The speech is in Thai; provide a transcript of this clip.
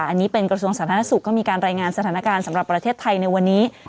อันนี้เป็นกระทรวงสาธารณสุขก็มีการรายงานสถานการณ์สำหรับประเทศไทยในวันนี้